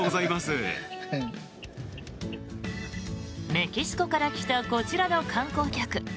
メキシコから来たこちらの観光客。